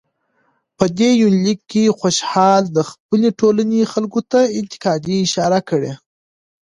په دې يونليک کې خوشحال د خپلې ټولنې خلکو ته انتقادي اشاره کړى